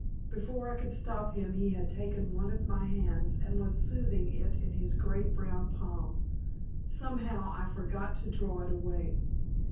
Before I could stop him he had taken one of my hands and was smoothing it in his great brown palm. Somehow I forgot to draw it away.